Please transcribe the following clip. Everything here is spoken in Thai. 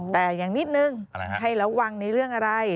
แต่อย่างนิดนึงให้ระวังในเรื่องอะไร